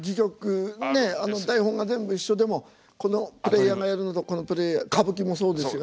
ねっ台本が全部一緒でもこのプレーヤーがやるのとこのプレーヤー歌舞伎もそうですよね。